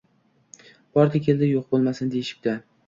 Bordi-keldi yo`q bo`lmasin, deyishibdi